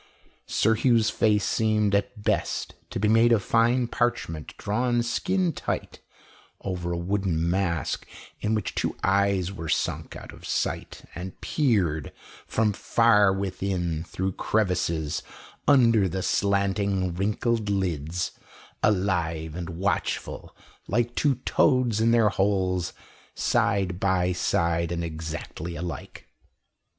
Sir Hugh's face seemed, at best, to be made of fine parchment drawn skin tight over a wooden mask, in which two eyes were sunk out of sight, and peered from far within through crevices under the slanting, wrinkled lids, alive and watchful like two toads in their holes, side by side and exactly alike.